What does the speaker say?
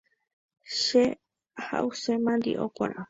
Che ha’use mandio porã.